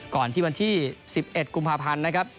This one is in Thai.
ก่อนที่วันที่๑๑กุมภาพันธ์นะครับ